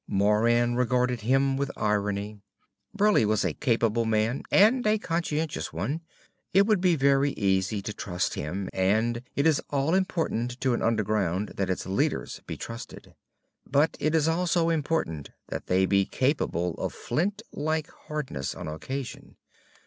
Moran regarded him with irony. Burleigh was a capable man and a conscientious one. It would be very easy to trust him, and it is all important to an Underground that its leaders be trusted. But it is also important that they be capable of flint like hardness on occasion.